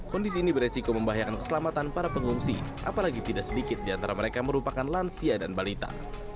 kondisi ini beresiko membahayakan keselamatan para pengungsi apalagi tidak sedikit di antara mereka merupakan lansia dan balita